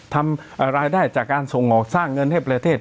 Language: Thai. ทำรายได้จากการส่งออกสร้างเงินให้ประเทศ